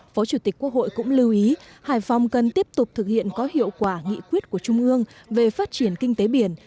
phó chủ tịch quốc hội cũng lưu ý hải phòng cần tiếp tục thực hiện có hiệu quả nghị quyết của trung ương về phát triển kinh tế biển